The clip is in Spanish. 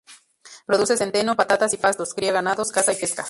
Produce centeno, patatas y pastos, cría ganados, caza y pesca.